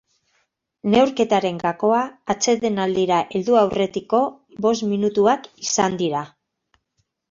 Neurketaren gakoa atsedenaldira heldu aurretiko bost minutuak izan dira.